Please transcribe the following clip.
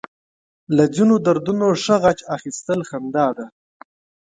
له ځينو دردونو ښه غچ اخيستل خندا ده.